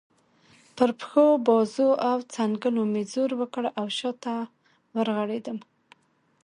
پر پښو، بازو او څنګلو مې زور وکړ او شا ته ورغړېدم.